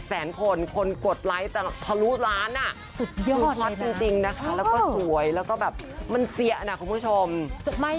ฟังข่าวทุกทีแห่งจุ๊กในใจ